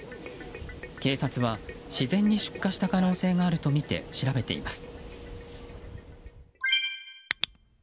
警察は自然に出火した可能性があるとみて調べています。